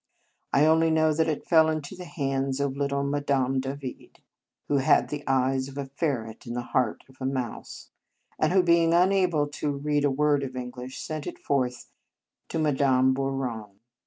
I only know that it fell into the hands of little Madame Davide, who had the eyes of a ferret and the heart of a mouse, and who, being unable to read a word of Eng lish, sent it forthwith to Madame Bou ron.